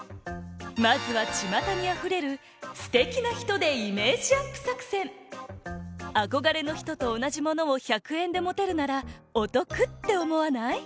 まずはちまたにあふれるあこがれの人とおなじものを１００円でもてるならおとくっておもわない？